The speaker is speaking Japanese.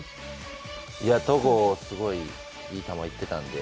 戸郷、すごいいい球が行っていたので。